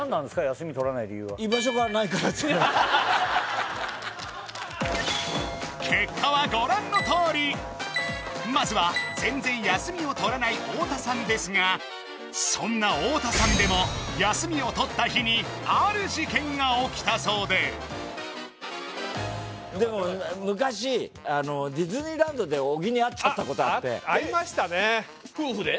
休み取らない理由は結果はご覧のとおりまずは全然休みを取らない太田さんですがそんな太田さんでも休みを取った日にある事件が起きたそうででも昔あのディズニーランドで小木に会っちゃったことあってあっありましたねえっ夫婦で？